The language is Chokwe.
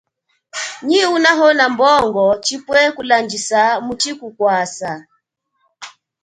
Nyi unahona mbongo chipwe kulandjisa muchi kukwasa.